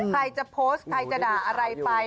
ใครจะโพสต์ใครจะด่าอะไรไป